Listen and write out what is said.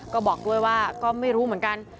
ก็บอกด้วยว่าก็ไม่รู้เหมือนกัน